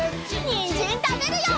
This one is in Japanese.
にんじんたべるよ！